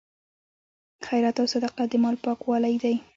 خیرات او صدقه د مال پاکوالی دی.